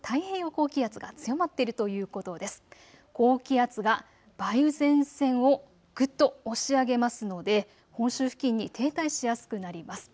高気圧が梅雨前線をぐっと押し上げますので本州付近に停滞しやすくなります。